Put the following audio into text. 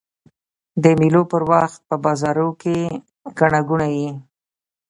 د مېلو پر وخت په بازارو کښي ګڼه ګوڼه يي.